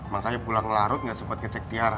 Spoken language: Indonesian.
makanya pulang larut gak sempet ngecek tiara